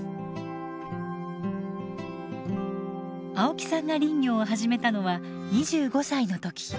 青木さんが林業を始めたのは２５歳の時。